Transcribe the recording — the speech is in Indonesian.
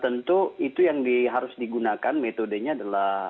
tentu itu yang harus digunakan metodenya adalah